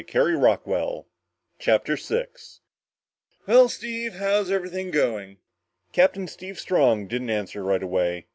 CHAPTER 6 "Well, Steve, how's everything going?" Captain Steve Strong didn't answer right away.